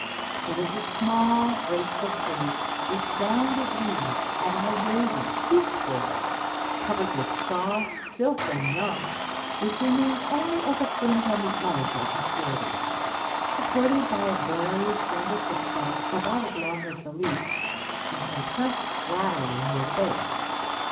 It is a small, graceful tree with rounded leaves having a wavy, toothed border, covered with soft silk when young, which remains only as a fringe on the edge at maturity, supported by a very slender footstalk about as long as the leaf, and compressed laterally from near the base.